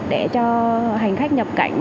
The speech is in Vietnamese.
để cho hành khách nhập cảnh